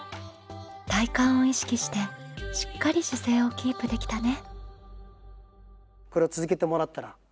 体幹を意識してしっかり姿勢をキープできたね。